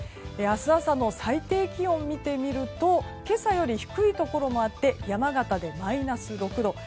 明日朝の最低気温を見てみると今朝より低いところもあって山形でマイナス６度。